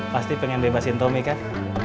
pasti pengen bebasin tommy kan